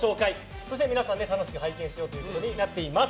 そして皆さんで楽しく拝見しようということになっています。